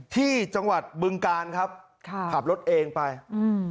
ที่จังหวัดบึงกาลครับค่ะขับรถเองไปอืม